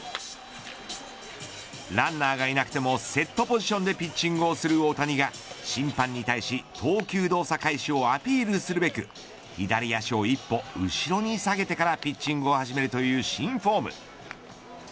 ランナーがいなくてもセットポジションでピッチングをする大谷が審判に対し投球動作開始をアピールするべく左足を一歩後ろに下げてからピッチングを始めるという新フォーム。